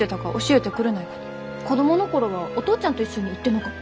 子供の頃はお父ちゃんと一緒に行ってなかった？